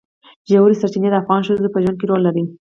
ژورې سرچینې د افغان ښځو په ژوند کې رول لري.